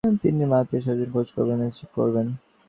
তিন্নির মার আত্মীয়স্বজনের খোঁজ বের করতে চেষ্টা করবেন।